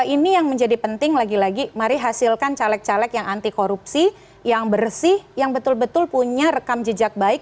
ini yang menjadi penting lagi lagi mari hasilkan caleg caleg yang anti korupsi yang bersih yang betul betul punya rekam jejak baik